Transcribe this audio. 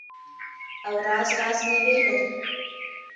او راز راز میوې لري.